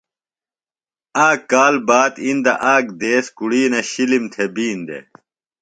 آک کال باد اِندہ آک دِیس کُڑِینہ شِلِم تھےۡ بِین دےۡ